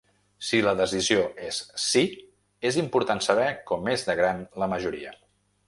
Si la decisió és sí, és important saber com és de gran la majoria.